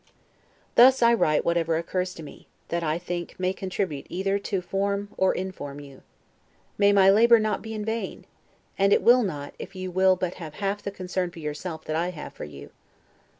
Thus I write whatever occurs to me, that I think may contribute either to form or inform you. May my labor not be in vain! and it will not, if you will but have half the concern for yourself that I have for you.